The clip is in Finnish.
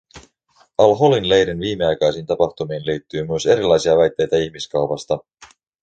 Al-Holin leirin viimeaikaisiin tapahtumiin liittyy myös erilaisia väitteitä ihmiskaupasta.